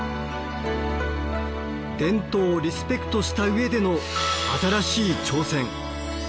伝統をリスペクトした上での新しい挑戦。